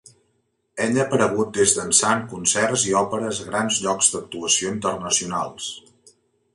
Ella ha aparegut des d'ençà en concerts i òperes a grans llocs d'actuació internacionals.